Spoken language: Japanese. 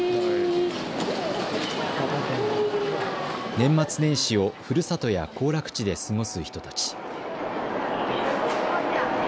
年末年始を、ふるさとや行楽地で過ごす人たち。